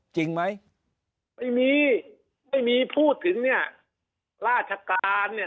จริงไหมไม่มีไม่มีพูดถึงเนี่ยราชการเนี่ย